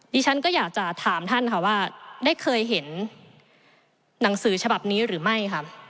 ดิฉันก็อยากจะถามท่านค่ะว่าได้เคยเห็นหนังสือฉบับนี้หรือไม่ค่ะ